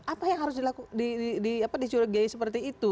apa yang harus dicurigai seperti itu